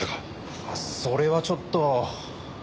それはちょっと。